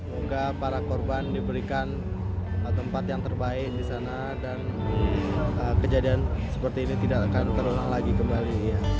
semoga para korban diberikan tempat yang terbaik di sana dan kejadian seperti ini tidak akan terulang lagi kembali